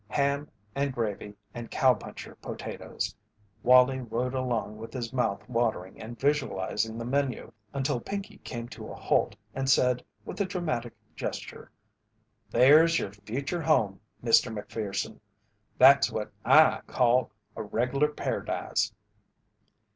Ham and gravy and cowpuncher potatoes! Wallie rode along with his mouth watering and visualizing the menu until Pinkey came to a halt and said with a dramatic gesture: "There's your future home, Mr. Macpherson! That's what I call a reg'lar paradise."